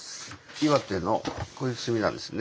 岩手のこういう炭なんですね。